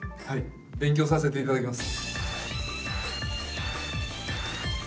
勉強させていただきます。